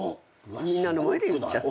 みんなの前で言っちゃった。